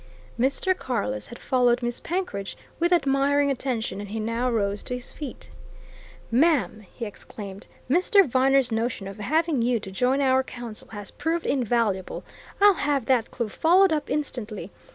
Mr. Carless had followed Miss Penkridge with admiring attention, and he now rose to his feet. "Ma'am," he exclaimed, "Mr. Viner's notion of having you to join our council has proved invaluable! I'll have that clue followed up instantly!